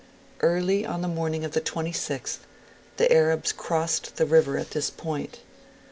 Early on the morning of the 26th, the Arabs crossed the river at this point.